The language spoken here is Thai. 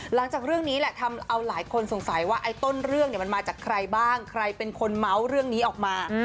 หลังจากเรื่องนี้แหละทำเอาหลายคนสงสัยว่าไอ้ต้นเรื่องมันมาจากใครบ้างใครเป็นคนเมาส์เรื่องนี้ออกมา